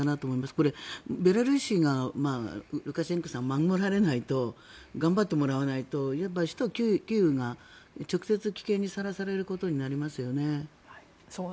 これ、ベラルーシがルカシェンコさん守られないと頑張ってもらわないと首都キーウが直接、危険にさらされることになりますよね。